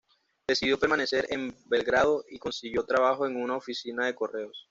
Decidió permanecer en Belgrado y consiguió trabajo en una oficina de correos.